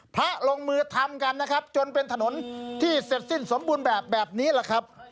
พระลงมือทำกันนะครับจนเป็นถนนที่เสร็จสิ้นสมบูรณ์แบบนี้แหละครับ